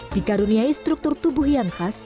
dikaruniai struktur tubuh yang khas